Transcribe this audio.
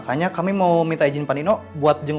saya mau slaughterin kamu